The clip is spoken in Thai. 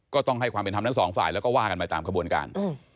ก็ต้องให้ความเป็นธรรมทั้งสองฝ่ายแล้วก็ว่ากันไปตามขบวนการ